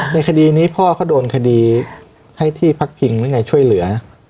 ในคดีนี้พ่อเขาโดนคดีให้ที่พักพิงหรือไงช่วยเหลือ